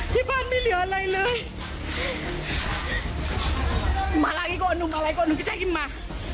ที่บ้านไม่เหลืออะไรเลยมาลาก้ี่ก็อ่อนหนูมาลักก่อนหนูก็จะกินมา